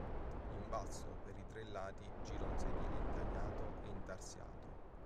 In basso, per i tre lati, gira un sedile intagliato e intarsiato.